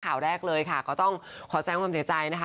ข่าวแรกเลยค่ะก็ต้องขอแสงความเสียใจนะคะ